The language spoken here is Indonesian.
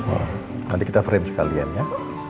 oh nanti kita frame sekalian ya